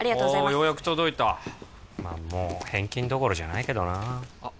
ようやく届いたまあもう返金どころじゃないけどなあっ